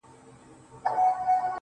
چي هغه ستا سيورى له مځكي ورك سو.